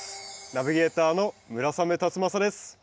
ナビゲーターの村雨辰剛です。